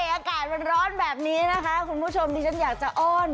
อากาศมันร้อนแบบนี้นะคะคุณผู้ชมดิฉันอยากจะอ้อน